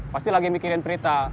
pasti lagi mikirin prita